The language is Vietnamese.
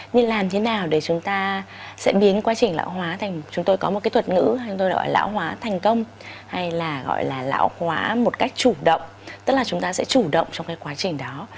nhưng làm thế nào để chúng ta sẽ biến quá trình lão hóa thành chúng tôi có một cái thuật ngữ hay tôi gọi lão hóa thành công hay là gọi là lão hóa một cách chủ động tức là chúng ta sẽ chủ động trong cái quá trình đó